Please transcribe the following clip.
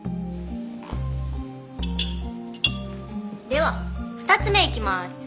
では２つ目いきまーす。